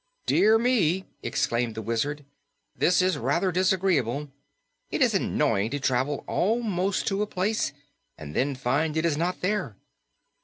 "Dear me!" exclaimed the Wizard. "This is rather disagreeable. It is annoying to travel almost to a place and then find it is not there."